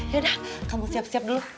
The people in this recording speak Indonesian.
yaudah kamu siap siap dulu